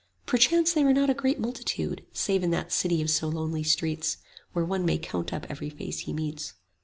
Perchance they were not a great multitude 10 Save in that city of so lonely streets Where one may count up every face he meets.